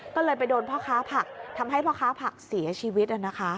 ก็เลยไปโดนพ่อค้าผักทำให้พ่อค้าผักเสียชีวิต